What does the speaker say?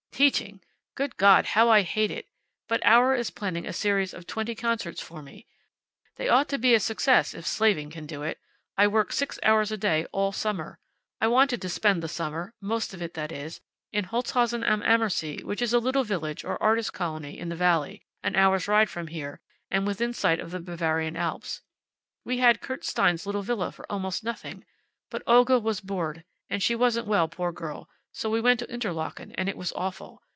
Teaching! Good God, how I hate it! But Auer is planning a series of twenty concerts for me. They ought to be a success, if slaving can do it. I worked six hours a day all summer. I wanted to spend the summer most of it, that is in Holzhausen Am Ammersee, which is a little village, or artist's colony in the valley, an hour's ride from here, and within sight of the Bavarian Alps. We had Kurt Stein's little villa for almost nothing. But Olga was bored, and she wasn't well, poor girl, so we went to Interlaken and it was awful.